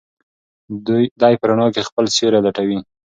دی په رڼا کې خپل سیوری لټوي.